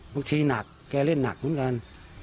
ทีหนักแกเล่นหนักเหมือนกัน